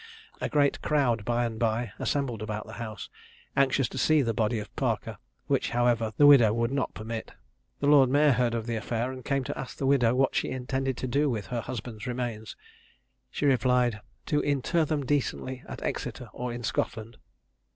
A great crowd, by and bye, assembled about the house, anxious to see the body of Parker, which, however, the widow would not permit. The Lord Mayor heard of the affair, and came to ask the widow what she intended to do with her husband's remains. She replied, "To inter them decently at Exeter or in Scotland."